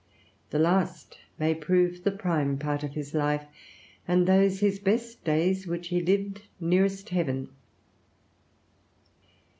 The last may prove the prime part of his life, and those his best days which he lived nearest heaven.